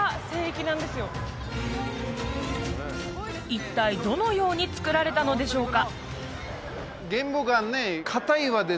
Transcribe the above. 一体どのようにつくられたのでしょうか？